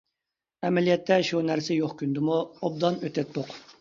ئەمەلىيەتتە شۇ نەرسە يوق كۈندىمۇ ئوبدان ئۆتەتتۇق.